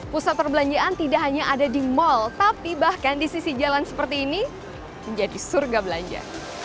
pusat perbelanjaan tidak hanya ada di mal tapi bahkan di sisi jalan seperti ini menjadi surga belanja